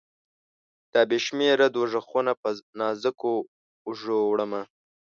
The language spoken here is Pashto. دا بې شمیره دوږخونه په نازکو اوږو، وړمه